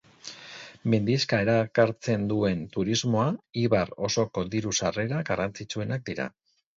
Mendixkak erakartzen duen turismoa, ibar osoko diru-sarrera garrantzitsuenak dira.